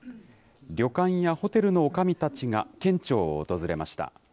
旅館やホテルのおかみたちが県庁を訪れました。